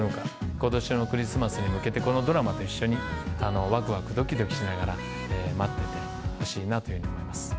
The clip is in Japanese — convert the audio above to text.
今年のクリスマスに向けてこのドラマと一緒にワクワクドキドキしながら待っててほしいなというふうに思います。